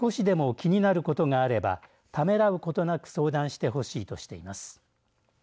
気になることがあればためらうことなく相談してほしいとしています。